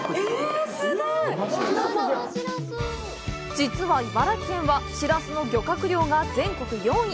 実は茨城県はシラスの漁獲量が全国４位。